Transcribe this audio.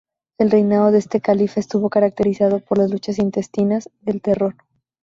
El reinado de este califa estuvo caracterizado por las luchas intestinas y el terror.